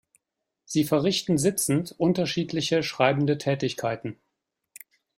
Sie verrichten sitzend unterschiedliche schreibende Tätigkeiten.